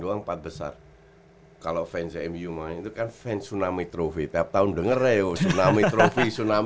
doang empat besar kalau fans mu maunya itu kan fans tsunami trophy tiap tahun denger ya tsunami trophy tsunami trophy makanya gue beneran fek